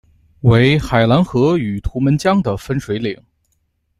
为海兰河与图们江的分水岭。